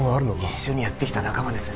一緒にやってきた仲間です